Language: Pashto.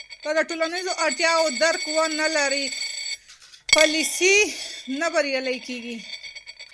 که د ټولنیزو اړتیاوو درک ونه لرې، پالیسۍ نه بریالۍ کېږي.